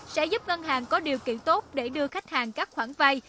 sẽ giúp ngân hàng có điều kiện tốt để đưa khách hàng các khoản vay